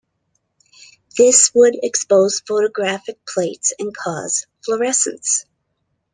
This would expose photographic plates and cause fluorescence.